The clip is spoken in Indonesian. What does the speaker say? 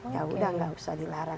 ya udah nggak usah dilarang